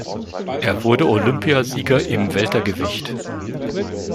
Er wurde Olympiasieger im Weltergewicht.